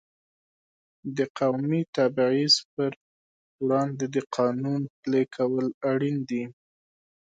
د قومي تبعیض پر وړاندې د قانون پلي کول اړین دي.